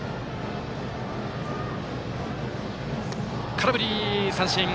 空振り三振。